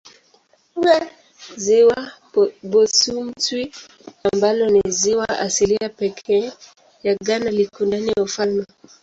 Ziwa Bosumtwi ambalo ni ziwa asilia pekee ya Ghana liko ndani ya ufalme.